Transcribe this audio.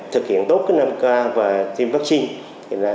thực hiện tốt cái năm k và tiêm vaccine